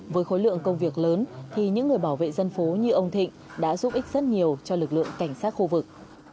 với khối lượng công việc lớn thì những người bảo vệ dân phố như ông thịnh đã giúp ích rất nhiều cho lực lượng cảnh sát khu vực